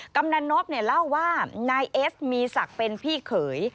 กำนันนกเนี่ยเล่าว่านายเอสมีศักดิ์เป็นพี่เขย